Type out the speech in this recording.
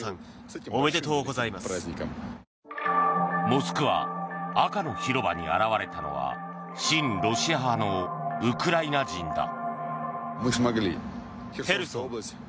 モスクワの赤の広場に現れたのは親ロシア派のウクライナ人だ。